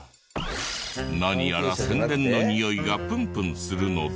何やら宣伝のにおいがプンプンするので。